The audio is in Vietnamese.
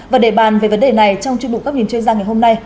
và để bàn về vấn đề này trong chương trình các nhìn chơi giang ngày hôm nay